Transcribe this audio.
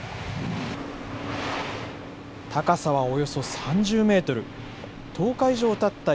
高さはおよそ３０メートル、１０日以上たった